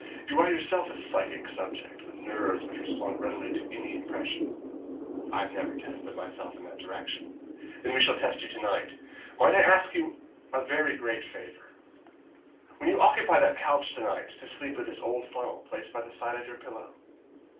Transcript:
You are yourself a psychic subject with nerves which respond readily to any impression." "I have never tested myself in that direction." "Then we shall test you tonight. Might I ask you as a very great favour, when you occupy that couch tonight, to sleep with this old funnel placed by the side of your pillow?"